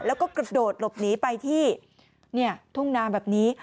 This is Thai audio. แล้วก็กระโดดหลบหนีไปที่ทุ่งนาแบบนี้